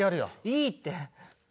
いいって。